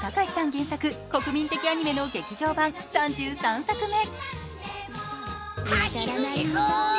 原作国民的アニメの劇場版３３作目。